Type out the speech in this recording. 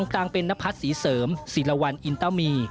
กลางเป็นนพัฒน์ศรีเสริมศิลวัลอินเตอร์มี